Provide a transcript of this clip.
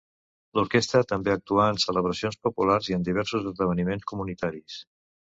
L'orquestra també actua en celebracions populars i en diversos esdeveniments comunitaris.